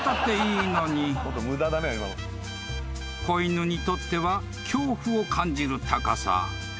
［小犬にとっては恐怖を感じる高さ］